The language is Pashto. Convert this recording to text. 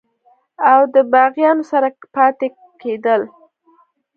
او دَباغيانو سره پاتې کيدل